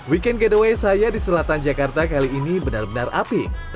weekend getaway saya di selatan jakarta kali ini benar benar api